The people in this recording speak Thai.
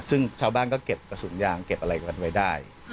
ซึ่งชาวบ้านก็เก็บกระสุนยางเก็บอะไรกันไว้ได้